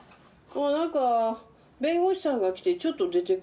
なんか弁護士さんが来てちょっと出てくるって。